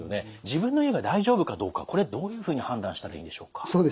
自分の家が大丈夫かどうかこれはどういうふうに判断したらいいんでしょうか。